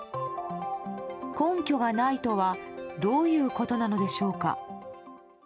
根拠がないとはどういうことなのでしょうか。